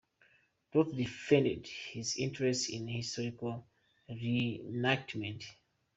Iott defended his interest in historical reenactment.